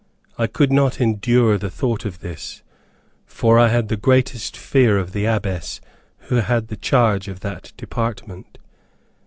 I could not endure the thought of this, for I had the greatest fear of the Abbess who had the charge of that department.